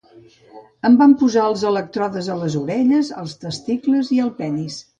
Em van posar els elèctrodes a les orelles, als testicles i al penis.